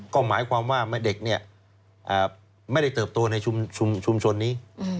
ก็หมายความว่าเด็กไม่ได้เติบโตในชุมชนนี้